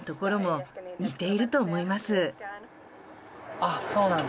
ああそうなんだ。